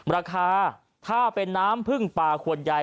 ราคาถ้าเป็นน้ำพึ่งป่าขวดใหญ่